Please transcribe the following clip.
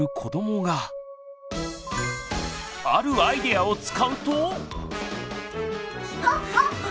あるアイデアを使うと。